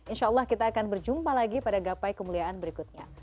insya allah kita akan berjumpa lagi pada gapai kemuliaan berikutnya